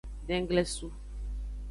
Denglesu.